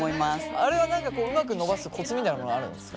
あれはうまく伸ばすコツみたいなものはあるんですか？